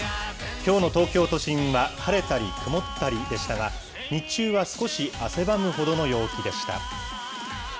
きょうの東京都心は、晴れたり曇ったりでしたが、日中は少し汗ばむほどの陽気でした。